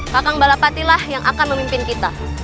kakang balapatilah yang akan memimpin kita